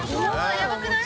・やばくない？